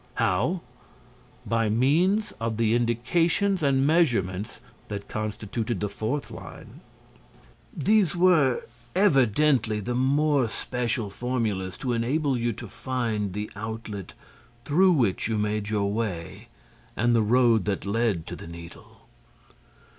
How? By means of the indications and measurements that constituted the fourth line: These were evidently the more special formulas to enable you to find the outlet through which you made your way and the road that led to the Needle.